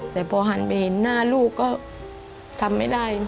แต่พอหันไปเห็นหน้าลูกก็ทำไม่ได้